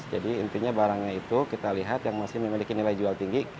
jadi intinya barangnya itu kita lihat yang masih memiliki nilai jual tinggi